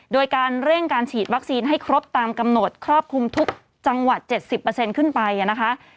โดยการเร่งการฉีดวัคซีนให้ครบตามกำหนดครอบคลุมทุกจังหวัด๗๐ขึ้นไปนะคะ